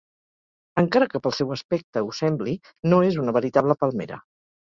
Encara que pel seu aspecte ho sembli, no és una veritable palmera.